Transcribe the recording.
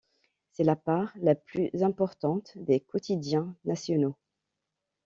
C'est la part la plus importante des quotidiens nationaux.